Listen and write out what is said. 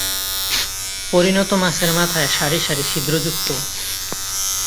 পরিণত মাছের মাথায় সারি সারি ছিদ্রযুক্ত।